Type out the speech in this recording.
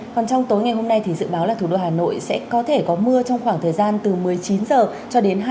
còn trong tối ngày hôm nay thì dự báo là thủ đô hà nội sẽ có thể có mưa trong khoảng thời gian từ một mươi chín h cho đến hai h